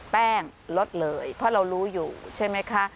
แป้งลดเลยเพราะเรารู้อยู่ใช่ไหมคะ